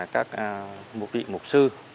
các vị mục sư